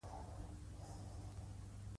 د قانون طرحه یې پېشنهاد کولای شوه